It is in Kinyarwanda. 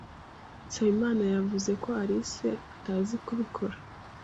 Nsabimana yavuze ko Alice atazi kubikora.